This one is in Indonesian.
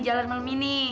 jalan malem ini